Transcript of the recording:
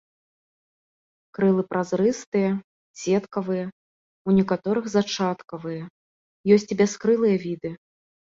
Крылы празрыстыя, сеткаватыя, у некаторых зачаткавыя, ёсць і бяскрылыя віды.